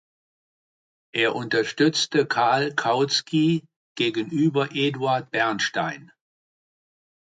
Er unterstützte Karl Kautsky gegenüber Eduard Bernstein.